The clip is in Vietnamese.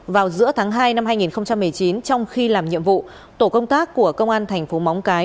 vào giữa tháng hai năm hai nghìn một mươi chín trong khi làm nhiệm vụ tổ công tác của công an thành phố móng cái